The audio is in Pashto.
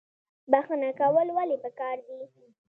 بخښنه کول ولې پکار دي؟